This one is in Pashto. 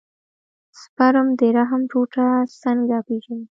سپرم د رحم ټوټه څنګه پېژني.